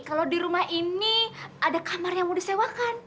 kalau di rumah ini ada kamar yang mau disewakan